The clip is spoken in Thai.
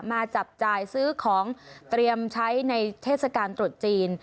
จับจ่ายซื้อของเตรียมใช้ในเทศกาลตรุษจีน